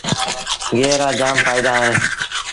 گيه رآ جآم ڦآئيدآ اوهيݩ۔